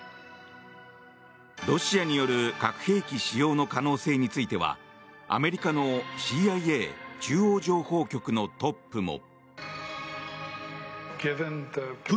ロシアによる核兵器使用の可能性についてはアメリカのＣＩＡ・中央情報局のトップも。